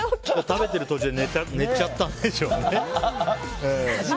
食べてる途中で寝ちゃったんでしょうね。